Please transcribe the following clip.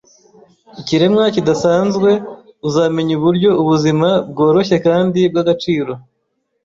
Ikiremwa kidasanzwe uzamenya uburyo ubuzima bworoshye kandi bwagaciro